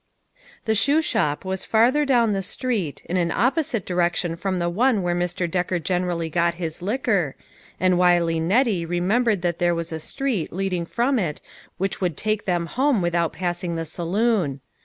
The shoe shop was f arther down the street, in an opposite direction from the one where Mr. Decker generally' got his liquor, and wily Nettie remembered that there was a street leading from 125 126 LITTLE FISHERS : AND THEIR NETS. it which would take them home without passing the saloon.